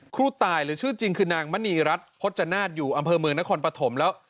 ตายหรือชื่อจริงคือนางมณีรัฐพจนาฏอยู่อำเภอเมืองนครปฐมแล้ว